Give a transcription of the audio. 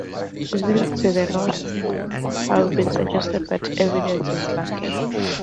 Links with the Norse god Thor have been suggested but evidence is lacking.